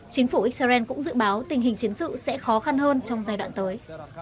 chính phủ israel cũng dự báo tình hình chiến sự sẽ khó khăn hơn trong giai đoạn tới